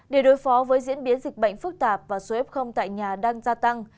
để đối phó với diễn biến dịch bệnh phức tạp và số f tại nhà đang gia tăng